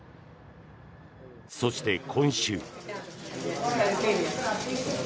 そして、今週。